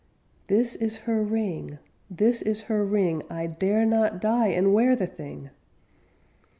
_'This is her ring _ This is her ring! _I dare not die and wear the thing!'